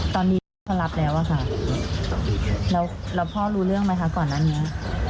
พ่อรับแล้วอ่ะค่ะแล้วพ่อรู้เรื่องไหมคะก่อนนั้นเนี่ย